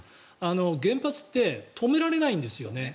原発って止められないんですよね。